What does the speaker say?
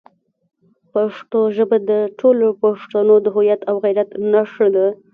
پښتو ژبه د ټولو پښتنو د هویت او غیرت نښه ده.